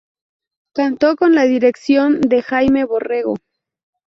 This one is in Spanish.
Contó con la dirección de Jaime Borrego.